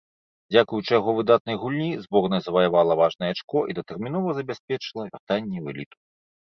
Дзякуючы яго выдатнай гульні, зборная заваявала важнае ачко і датэрмінова забяспечыла вяртанне ў эліту.